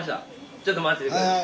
ちょっと待ってて下さい。